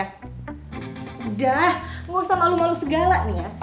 udah gausah malu malu segala nih ya